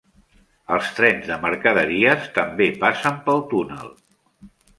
Els trens de mercaderies també passen pel túnel.